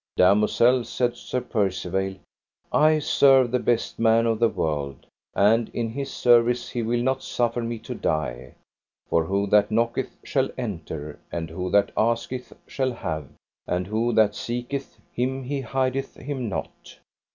Damosel, said Sir Percivale, I serve the best man of the world, and in his service he will not suffer me to die, for who that knocketh shall enter, and who that asketh shall have, and who that seeketh him he hideth him not.